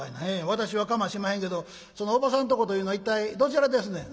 私はかましまへんけどそのおばさんとこというのは一体どちらですねん」。